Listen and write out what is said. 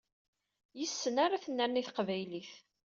Yes-sen ara tennerni teqbaylit.